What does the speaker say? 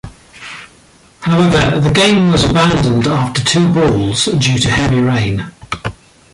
However, the game was abandoned after two balls due to heavy rain.